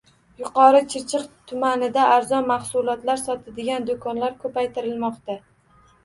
Yuqori Chirchiq tumanida arzon mahsulotlar sotadigan do‘konlar ko‘paytirilmoqda